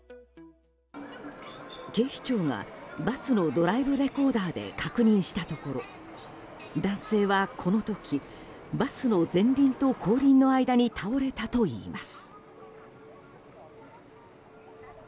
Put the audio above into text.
警視庁がバスのドライブレコーダーで確認したところ男性は、この時バスの前輪と後輪の間に倒れたといいます。